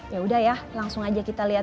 yaudah ya langsung aja kita lihat